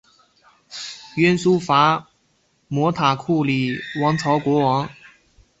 鸯输伐摩塔库里王朝国王。